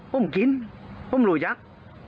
ผมกินผมหลุยจักร